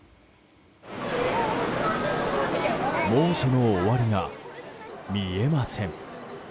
猛暑の終わりが見えません。